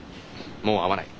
もう会わない。